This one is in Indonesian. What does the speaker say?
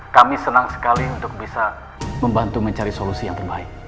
kami senang sekali untuk bisa membantu mencari solusi yang terbaik